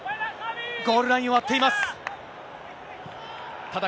ゴールラインを割っています。